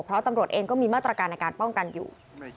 เพราะตำรวจเองก็มีมาตรการในการป้องกันอยู่